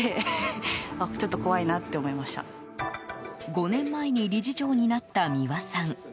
５年前に理事長になった三輪さん。